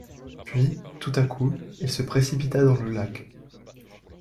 Puis, tout à coup, il se précipita dans le lac.